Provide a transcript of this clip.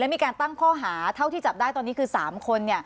ถึงดังนี้มีการตั้งที่ประหาถ้าที่จับได้ตอนนี้คือ๓คน